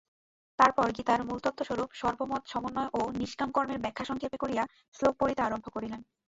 তারপর গীতার মূলতত্ত্বস্বরূপ সর্বমতসমন্বয় ও নিষ্কাম কর্মের ব্যাখ্যা সংক্ষেপে করিয়া শ্লোক পড়িতে আরম্ভ করিলেন।